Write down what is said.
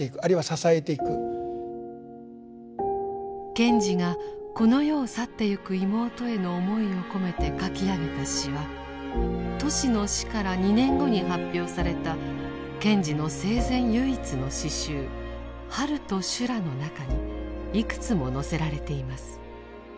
賢治がこの世を去ってゆく妹への思いを込めて書き上げた詩はトシの死から２年後に発表された賢治の生前唯一の詩集「春と修羅」の中にいくつも載せられています。